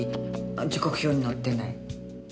時刻表に載ってない。